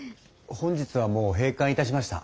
本日はもう閉館いたしました。